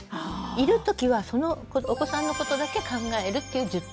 いるときはそのお子さんのことだけ考えるっていう１０分。